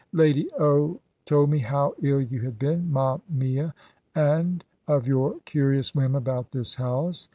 "Lady O. told me how ill you had been, ma mie, and of your curious whim about this house.